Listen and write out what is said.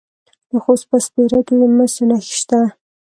د خوست په سپیره کې د مسو نښې شته.